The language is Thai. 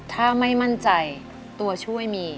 ถ้าไม่มั่นใจตัวช่วยมี